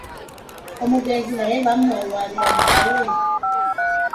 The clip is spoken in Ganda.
Omuganzi naye bamuwawaabira naawe?